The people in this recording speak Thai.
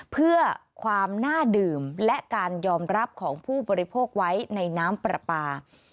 เพื่อความน่าดื่มและการยอมรับของผู้บริโภคไว้ในน้ำปลาปลา